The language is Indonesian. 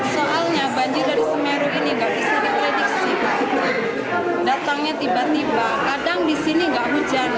soalnya banjir dari semeru ini gak bisa diprediksi pak datangnya tiba tiba kadang di sini nggak hujan